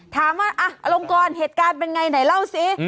ถามว่าอลงกรเหตุการณ์เป็นไงไหนเล่าสิ